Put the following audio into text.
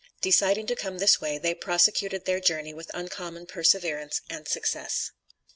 Deciding to come this way, they prosecuted their journey with uncommon perseverance and success.